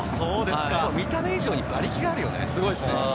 見た目以上に馬力があるよね。